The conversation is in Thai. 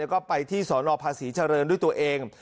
ก็ไปที่สอนอภาษีเฉรินด้วยตัวเอง